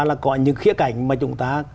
là có những khía cảnh mà chúng ta